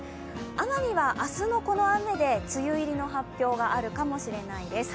奄美は明日のこの雨で梅雨入りの発表があるかもしれないです。